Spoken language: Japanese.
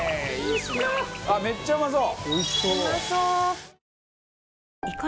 めっちゃうまそう。